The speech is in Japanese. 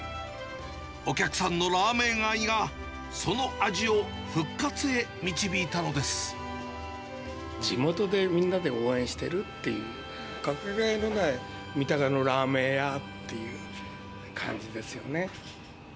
お客さんのラーメン愛が、地元で、みんなで応援してるっていう、掛けがえのない三鷹のラーメン屋っていう感じですよね。